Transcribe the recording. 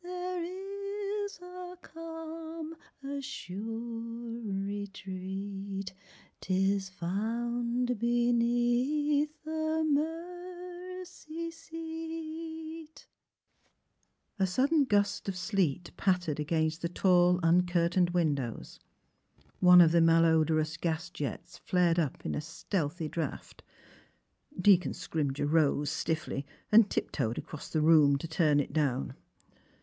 There is a calm, a sure retreat; 'Tis found beneath the mercy seat! " 40 THE HEART OF PHILUKA A sudden gust of sleet pattered against the tall uncurtained windows; one of tlie malodorous gas jets flared up in a stealthy draft. Deacon Scrimger rose stiffly and tiptoed across the room to turn it down.